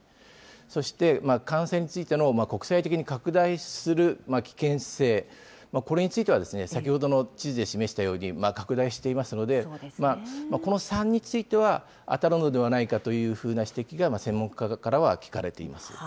そして、感染についての国際的に拡大する危険性、これについてはですね、先ほどの地図で示したように拡大していますので、この３については、当たるのではないかというふうな指摘が専門家からは聞かれています。